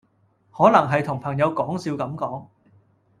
可能係同朋友講笑咁講